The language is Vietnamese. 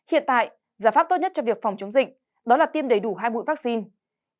hiện tại giải pháp tốt nhất cho việc phòng chống dịch đó là tiêm đầy đủ hai mũi vaccine